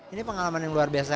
ini pengalaman yang luar biasa